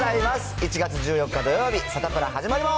１月１４日土曜日、サタプラ、始まります。